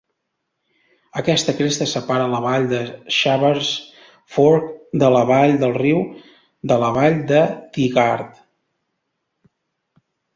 Aquesta cresta separa la vall de Shavers Fork de la vall del Riu de la Vall de Tygart.